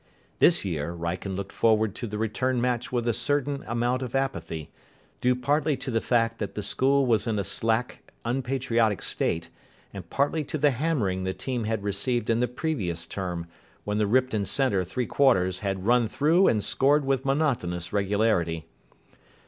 This year Wrykyn looked forward to the return match with a certain amount of apathy, due partly to the fact that the school was in a slack, unpatriotic state, and partly to the hammering the team had received in the previous term, when the Ripton centre three quarters had run through and scored with monotonous regularity.